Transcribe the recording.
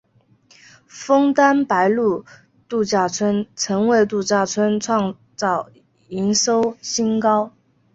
枫丹白露度假村曾为度假村创造营收新高。